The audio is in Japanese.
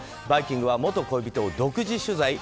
「バイキング」は元恋人を独自取材。